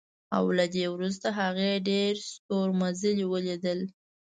او له دې وروسته هغې ډېر ستورمزلي ولیدل